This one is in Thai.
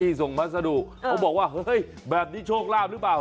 ที่ส่งมาสะดวกเขาบอกว่าเฮ้ยแบบนี้โชคลาบรึเปล่า